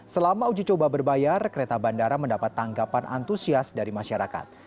selama uji coba berbayar kereta bandara mendapat tanggapan antusias dari masyarakat